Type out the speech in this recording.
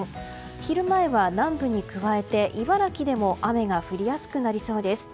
昼前は南部に加えて茨城でも雨が降りやすくなりそうです。